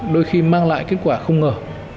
đôi khi mang lại kết quả không ngờ